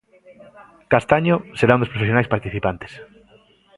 Castaño será un dos profesionais participantes.